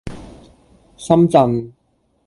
深圳